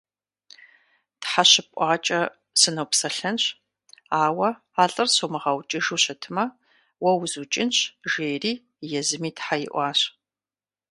Тхьэ щыпӀуакӀэ сынопсэлъэнщ, ауэ а лӏыр сумыгъэукӀыжу щытмэ, уэ узукӀынщ, жери езыми тхьэ иӀуащ.